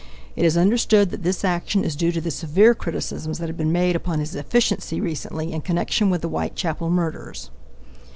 It is understood that this action is due to the severe criticisms that have been made upon his efficiency recently in connection with the Whitechapel murders.